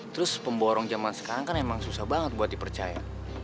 terus pemborong zaman sekarang kan emang susah banget buat dipercaya